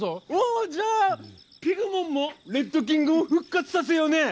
おじゃあピグモンもレッドキングも復活させようねえ。